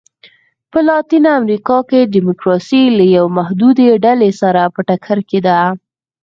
په لاتینه امریکا کې ډیموکراسي له یوې محدودې ډلې سره په ټکر کې ده.